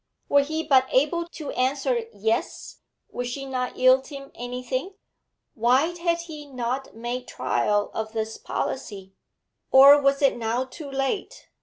Were he but able to answer 'Yes,' would she not yield him anything? Why had he not made trial of this policy? Or was it now too late?